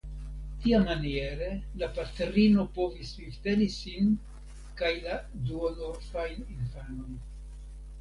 Tiamaniere la patrino povis vivteni sin kaj la duonorfajn infanojn.